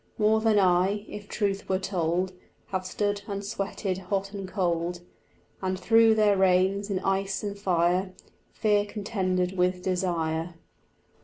More than I, if truth were told, Have stood and sweated hot and cold, And through their reins in ice and fire Fear contended with desire.